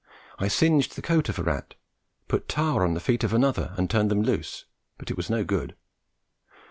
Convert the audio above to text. I singed the coat of a rat, put tar on the feet of another and turned them loose; but it was no good.